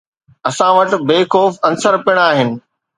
اسان وٽ بي خوف عنصر پڻ آهن.